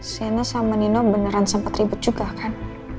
shena sama nino beneran sempat ribet juga kan